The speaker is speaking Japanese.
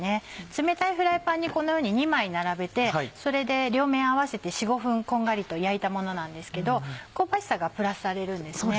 冷たいフライパンにこのように２枚並べて両面合わせて４５分こんがりと焼いたものなんですけど香ばしさがプラスされるんですね。